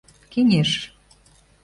Кеҥеж.